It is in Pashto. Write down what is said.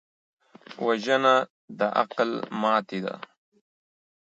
وژنه د عقل ماتې ده